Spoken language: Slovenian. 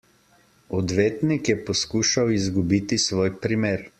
Odvetnik je poskušal izgubiti svoj primer.